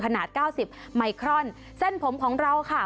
ขนาด๙๐มายครอนเส้นผมของเราค่ะ